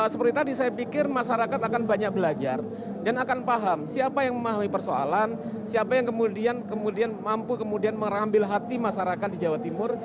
seperti tadi saya pikir masyarakat akan banyak belajar dan akan paham siapa yang memahami persoalan siapa yang kemudian mampu kemudian mengambil hati masyarakat di jawa timur